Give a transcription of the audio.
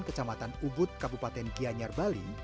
kecamatan ubud kabupaten gianyar bali